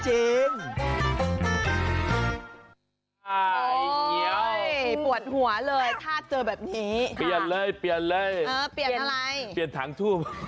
ตอนนึกว่าอ๋อทูบเสียงทาย